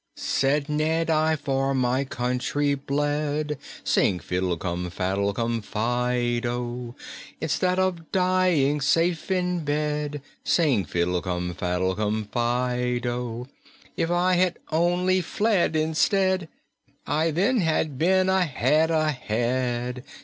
"Said Ned: 'I for my country bled,' Sing fiddle cum faddle cum fi do! 'Instead of dying safe in bed', Sing fiddle cum faddle cum fi do! 'If I had only fled, instead, I then had been a head ahead.'